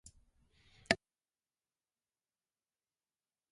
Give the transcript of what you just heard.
早う文章溜めて